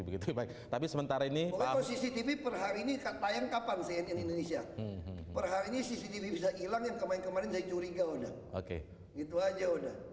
begitu baik tapi sementara ini kalau cctv per hari ini katanya kapan saya di indonesia perhari